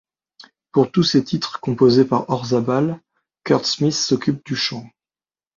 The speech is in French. Pour tous ces titres, composés par Orzabal, Curt Smith s'occupe du chant.